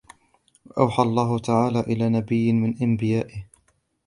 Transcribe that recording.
أَوْحَى اللَّهُ تَعَالَى إلَى نَبِيٍّ مِنْ أَنْبِيَائِهِ